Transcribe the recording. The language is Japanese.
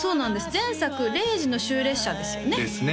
前作「０時の終列車」ですよねですね